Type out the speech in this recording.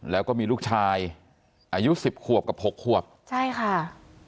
แล้วก็มีลูกชายอายุสิบขวบกับหกขวบใช่ค่ะ